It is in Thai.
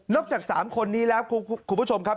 จาก๓คนนี้แล้วคุณผู้ชมครับ